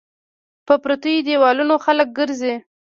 په پريوتو ديوالونو خلک ګرځى